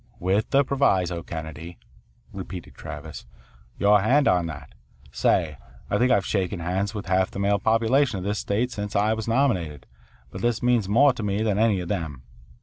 "With the proviso, Kennedy," repeated Travis. "Your hand on that. Say, I think I've shaken hands with half the male population of this state since I was nominated, but this means more to me than any of them.